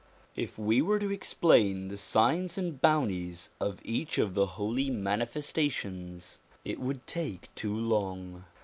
If we were to explain the signs and bounties of each of the Holy Manifestations, it would take too long.